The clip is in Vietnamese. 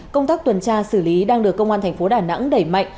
công tác tuần tra xử lý đang được công an thành phố đà nẵng đẩy mạnh